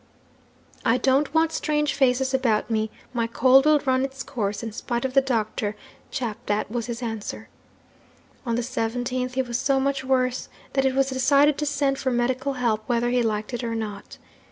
"I don't want strange faces about me; my cold will run its course, in spite of the doctor," that was his answer. On the 17th he was so much worse that it was decided to send for medical help whether he liked it or not.